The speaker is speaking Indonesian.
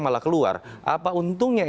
malah keluar apa untungnya